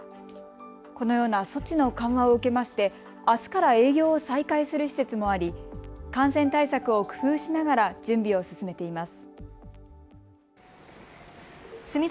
このような措置の緩和を受けまして、あすから営業を再開する施設もあり感染対策を工夫しながら準備を進めています。